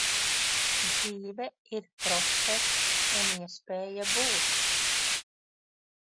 Dzīve ir process un iespēja būt.